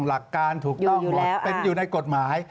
หลักการถูกต้องหมดเป็นอยู่ในกฎหมาย